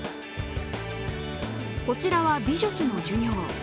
こちらは、美術の授業。